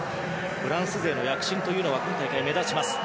フランス勢の躍進が今大会、目立ちます。